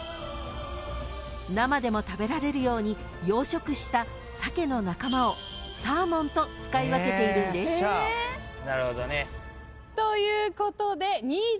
［生でも食べられるように養殖した鮭の仲間をサーモンと使い分けているんです］ということで新妻さん深田さんのみ正解。